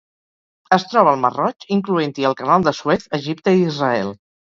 Es troba al Mar Roig, incloent-hi el Canal de Suez, Egipte i Israel.